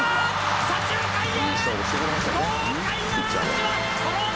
左中間へ！